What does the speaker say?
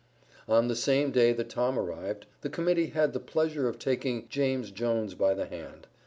On the same day that Tom arrived, the Committee had the pleasure of taking JAMES JONES by the hand.